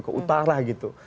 ke utara gitu